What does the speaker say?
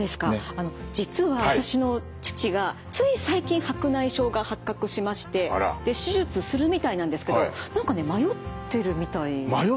あの実は私の父がつい最近白内障が発覚しましてで手術するみたいなんですけど何かね迷ってるみたいなんですよ。